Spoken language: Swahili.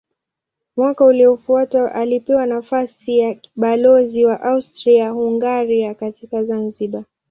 Mwaka uliofuata alipewa nafasi ya balozi wa Austria-Hungaria katika Zanzibar.